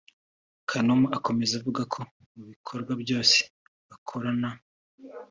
Kanuma akomeza avuga ko mu bikorwa byose bakorana